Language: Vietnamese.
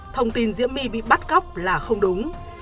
thông tin diễm my bị bắt cóc là không đúng